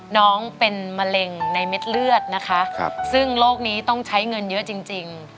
น้องเป็นมะเร็งในเม็ดเลือดนะคะซึ่งโรคนี้ต้องใช้เงินเยอะจริง